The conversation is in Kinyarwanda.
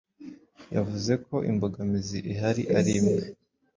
yavuze ko imbogamizi ihari arimwe